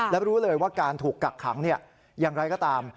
และรู้เลยว่าการถูกกักขังอย่างไรก็ตาม